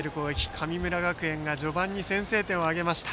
神村学園が序盤に先制点を挙げました。